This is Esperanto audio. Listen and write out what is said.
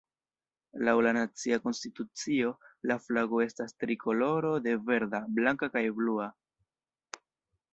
Laŭ la nacia konstitucio, la flago estas trikoloro de verda, blanka kaj blua.